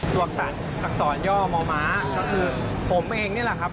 ตรวจสรรค์อักษรย่อเมาะม้าคือผมเองนี่แหละครับ